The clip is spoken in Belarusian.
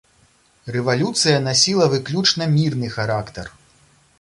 Рэвалюцыя насіла выключна мірны характар.